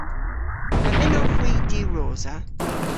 A vynnowgh hwi diwrosa?